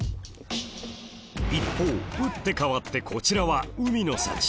一方打って変わってこちらは海の幸